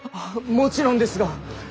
もちろんですが。